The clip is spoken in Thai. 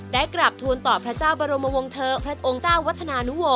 ได้กลับทูลต่อพระเจ้าบรโมมวงเทอร์พระองค์เจ้าวัฒนา